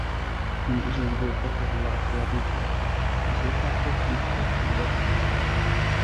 Viņa izlemj būt pašizolācijā divas nedēļas. Es iepērkos un izsaucu ūberu.